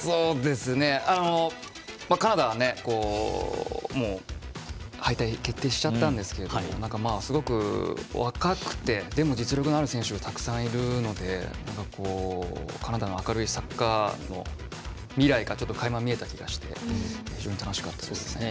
カナダはもう敗退決定しちゃったんですけどすごく若くてでも実力のある選手がたくさんいるのでカナダの明るいサッカーの未来がちょっとかいま見えた気がして非常に楽しかったですね。